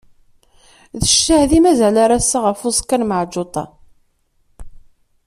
D ccahed i mazal ar ass-agi ɣef uẓekka n Meɛǧuṭa.